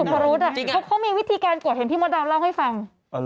พรุษเขามีวิธีการกวดเห็นพี่มดดำเล่าให้ฟัง